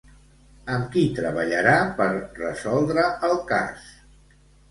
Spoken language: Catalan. Amb qui treballarà per resoldre el cas?